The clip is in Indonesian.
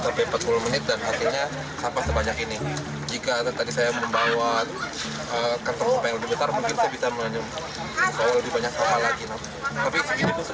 tapi segini pun sudah lumayan sekitar tiga sampai lima kilo